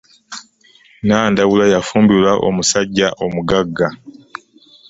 Nandawula yafumbirwa omusajja omugaga.